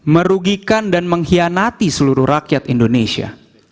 merugikan dan mengkhianati seluruh rakyat indonesia